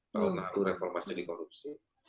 tahun lalu reformasi dikorupsi